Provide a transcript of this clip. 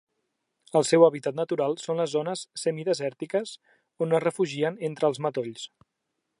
El seu hàbitat natural són les zones semidesèrtiques, on es refugien entre els matolls.